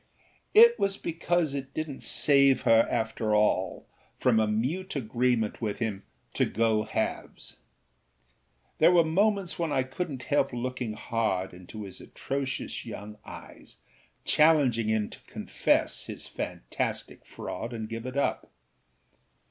It was because it didnât save her after all from a mute agreement with him to go halves. There were moments when I couldnât help looking hard into his atrocious young eyes, challenging him to confess his fantastic fraud and give it up.